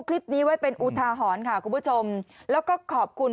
คลิปนี้ไว้เป็นอุทาหรณ์ค่ะคุณผู้ชมแล้วก็ขอบคุณ